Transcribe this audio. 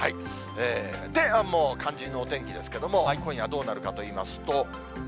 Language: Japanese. で、もう肝心のお天気ですけども、今夜どうなるかといいますと。